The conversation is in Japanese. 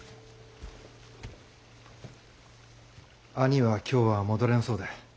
兄は今日は戻れんそうで申し訳ない。